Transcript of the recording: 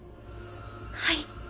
はい。